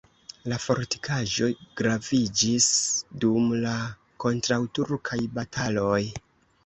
La fortikaĵo graviĝis dum la kontraŭturkaj bataloj.